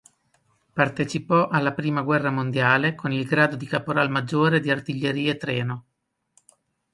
Partecipò alla prima guerra mondiale con il grado di caporal maggiore di artiglieria-treno.